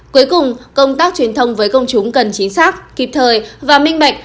cuối cùng công tác truyền thông với công chúng cần chính xác kịp thời và minh bạch